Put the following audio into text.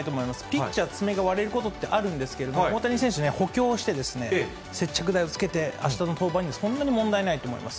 ピッチャー、爪が割れることってあるんですけれども、大谷選手、補強して、接着剤をつけて、あしたの登板にそんなに問題ないと思います。